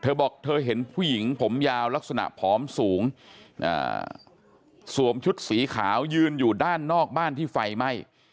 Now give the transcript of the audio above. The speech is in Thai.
เธอบอกเธอเห็นผู้หญิงผมยาวลักษณะผอมสูงสวมชุดสีขาวยืนอยู่ด้านนอกบ้านที่ไฟไหม้